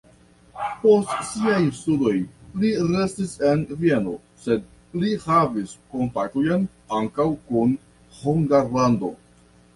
Post siaj studoj li restis en Vieno, sed li havis kontaktojn ankaŭ kun Hungarlando.